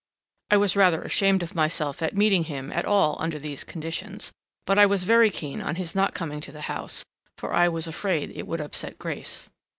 I was rather ashamed of myself at meeting him at all under these conditions, but I was very keen on his not coming to the house for I was afraid it would upset Grace.